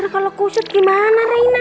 kalau kusut gimana reina